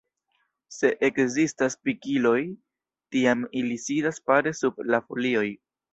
Se ekzistas pikiloj tiam ili sidas pare sub la folioj.